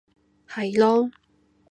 係囉